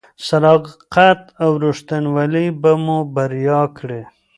صداقت او رښتینولي به مو بریالي کړي.